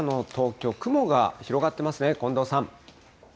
けさの東京、雲が広がってますね、近藤さん。